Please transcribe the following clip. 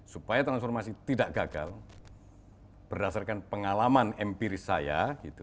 supaya transformasi tidak gagal berdasarkan pengalaman empiris saya